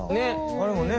あれもね。